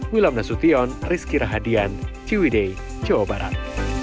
wilam nasution rizky rahadian ciwidei jawa barat